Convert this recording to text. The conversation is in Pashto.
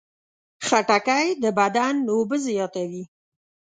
خټکی د بدن اوبه زیاتوي.